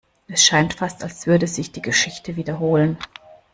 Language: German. Es scheint fast, als würde sich die Geschichte wiederholen.